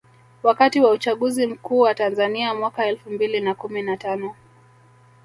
Wakati wa uchaguzi mkuu wa Tanzania mwaka elfu mbili na kumi na tano